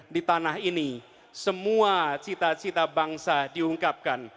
di tanah ini semua cita cita bangsa diungkapkan